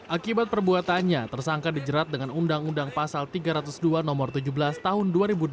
akibat perbuatannya tersangka dijerat dengan undang undang pasal tiga ratus dua no tujuh belas tahun dua ribu delapan